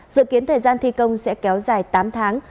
dự kiến thời gian thi công sẽ kéo dài tám tháng